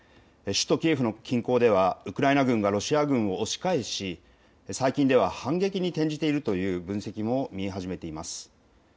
首都キエフの近郊ではウクライナ軍がロシア軍を押し返し、最近では反撃に転じているという分析も見え始めています。